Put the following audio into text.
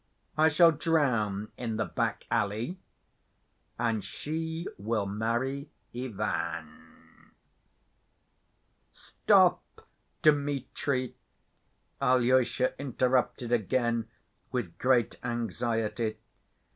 I shall drown in the back‐ alley, and she will marry Ivan." "Stop, Dmitri," Alyosha interrupted again with great anxiety.